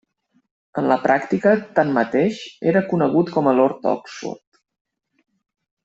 En la pràctica, tanmateix, era conegut com a Lord Oxford.